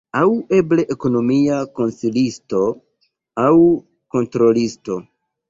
Aŭ eble ekonomia konsilisto aŭ kontrolisto.